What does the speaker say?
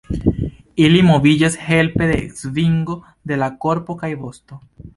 Ili moviĝas helpe de svingo de la korpo kaj vosto.